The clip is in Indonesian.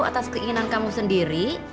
atas keinginan kamu sendiri